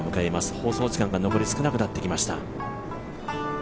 放送時間が残り少なくなってきました。